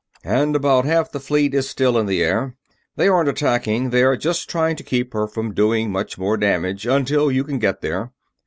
"... and about half the fleet is still in the air. They aren't attacking; they are just trying to keep her from doing much more damage until you can get there.